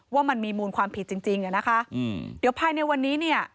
ว่ามันมีมูลความผิดจริงเดี๋ยวภายในวันนี้